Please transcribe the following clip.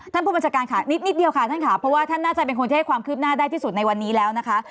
ท่านผู้บัญชาการค่ะนิดเดียวค่ะท่านค่ะเพราะว่าท่านน่าจะเป็นคนที่ให้ความคืบหน้าได้ที่สุดในวันนี้แล้วนะคะ